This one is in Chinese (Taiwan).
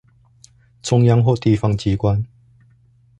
中央或地方機關